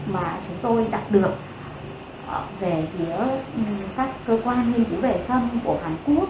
mà chúng tôi đạt được về phía các cơ quan nghiên cứu về sâm của hàn quốc